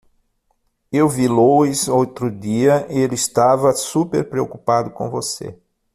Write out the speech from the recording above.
Eu vi Louis outro dia, ele estava super preocupado com você.